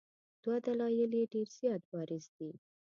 دوه دلایل یې ډېر زیات بارز دي.